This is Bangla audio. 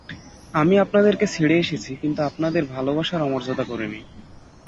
আমি আপনাদের ছেড়ে এসেছি কিন্তু আপনাদের ভালবাসার অমর্যাদা করি নি।